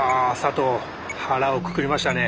藤腹をくくりましたね。